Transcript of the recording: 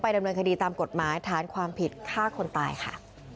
ดำเนินคดีตามกฎหมายฐานความผิดฆ่าคนตายค่ะ